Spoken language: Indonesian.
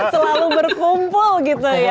selalu berkumpul gitu ya